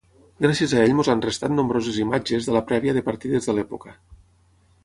Gràcies a ell ens han restat nombroses imatges de la prèvia de partides de l'època.